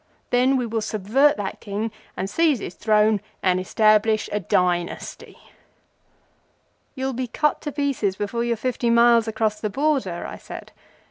Then we will subvert that King and seize his Throne and establish a Dy nasty." "You'll be cut to pieces before you're fifty miles across the Border," I said.